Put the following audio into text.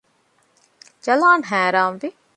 ޖަލާން ހައިރާންވި